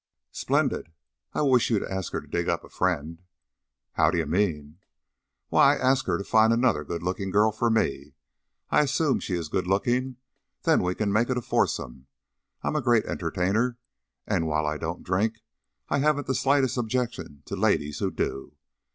"Splendid! I wish you'd ask her to dig up a friend." "How d'you mean?" "Why, ask her to find another good looking girl for me I assume she is good looking then we can make it a foursome. I'm a great entertainer, and, while I don't drink, I haven't the slightest objection to ladies who do.